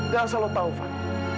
dan asal lo tau van